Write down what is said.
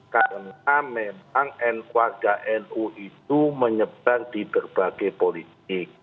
karena memang warga nu itu menyebar di berbagai politik